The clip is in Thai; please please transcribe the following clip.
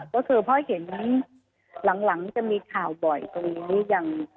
หรือเปล่าก็คือพ่อเห็นหลังจะมีข่าวบ่อยตรงนี้อย่าง